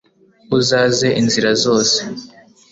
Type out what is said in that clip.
uzaze inzira zose